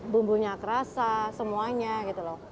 bumbunya kerasa semuanya gitu loh